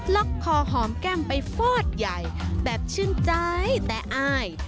คอหอมแก้มไปฟอดใหญ่แบบชื่นใจแต่อาย